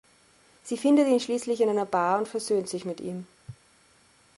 Sie findet ihn schließlich in einer Bar und versöhnt sich mit ihm.